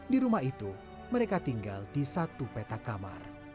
di rumah itu mereka tinggal di satu peta kamar